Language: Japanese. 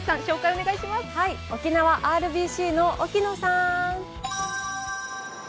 沖縄ＲＢＣの沖野さん！